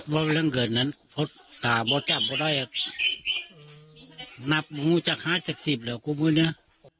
บ่เรื่องเกิดนั้นท่าบ่จับบ่ได้นับมูจักรห้าจากสิบเหลือกูมือเนี่ย